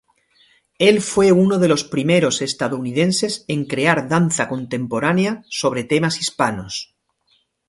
Él fue uno de los primeros estadounidenses en crear danza contemporánea sobre temas hispanos.